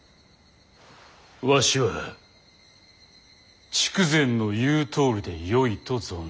わしは筑前の言うとおりでよいと存ずる。